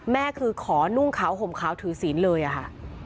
แม่คือขอนุ่งขาวห่มขาวถือศีลเลยอะค่ะ